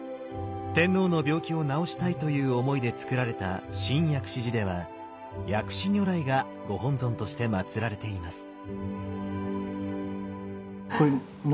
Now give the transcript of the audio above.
天皇の病気を治したいという思いでつくられた新薬師寺では薬師如来がご本尊としてまつられています。